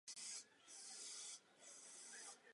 Název díla má vyjadřovat boj husitů proti všem jejich odpůrcům.